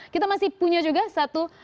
kita masih punya juga satu